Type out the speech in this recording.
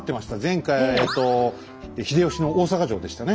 前回えと秀吉の大坂城でしたね。